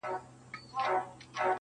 کورنۍ پټ عمل کوي د شرم,